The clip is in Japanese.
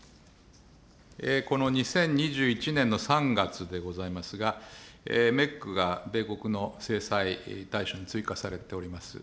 この２０２１年の３月でございますが、メックが米国の制裁対象に追加されております。